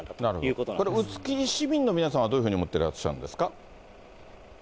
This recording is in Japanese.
これ、臼杵市民の皆さんはどういうふうに思ってらっしゃるんですか。